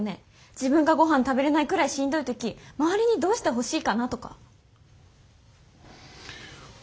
自分がごはん食べれないくらいしんどい時周りにどうしてほしいかなとか。